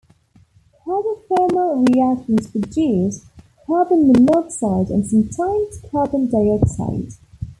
Carbothermal reactions produce carbon monoxide and sometimes carbon dioxide.